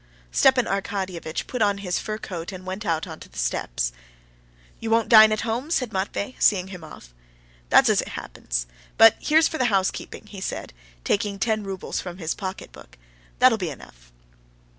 Stepan Arkadyevitch put on his fur coat and went out onto the steps. "You won't dine at home?" said Matvey, seeing him off. "That's as it happens. But here's for the housekeeping," he said, taking ten roubles from his pocketbook. "That'll be enough."